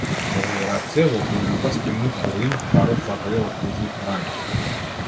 Поради рација, во околината снемува хероин, парот запаѓа во криза и караници.